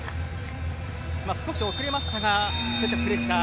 少し遅れましたがそういったプレッシャー。